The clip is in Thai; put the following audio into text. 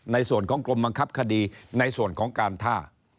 ในส่วนของกรมบังคับคดีในส่วนของการท่า